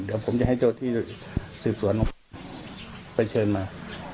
เดี๋ยวผมจะให้เจ้าที่สืบสวนไปเชิญมา